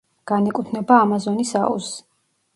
განეკუთვნება ამაზონის აუზს.